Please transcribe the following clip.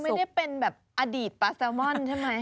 ไม่ได้เป็นแบบอดีตปลาแซลมอนใช่ไหม